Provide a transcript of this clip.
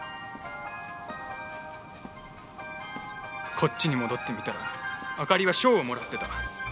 こっちに戻ってみたら朱莉は賞をもらってた。